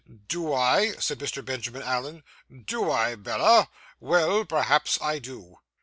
'Do I?' said Mr. Benjamin Allen. 'Do I, Bella? Well, perhaps I do.